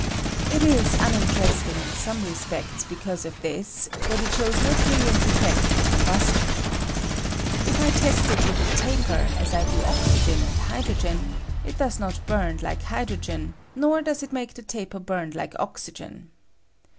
It is uninteresting in some respects because of this, that it shows no brilliant ef 126 VALUE OF NITROGEN IN THE AIR. fecta of combustion. If I test it 'with a taper as I do oxygen aad hydrogen, it does not bum like hydrogen, nor does it makethe taper bum like oxygen.